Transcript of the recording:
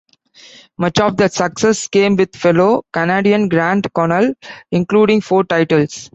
Much of that success came with fellow Canadian Grant Connell, including four titles.